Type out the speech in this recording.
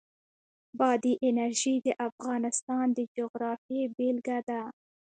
بادي انرژي د افغانستان د جغرافیې بېلګه ده.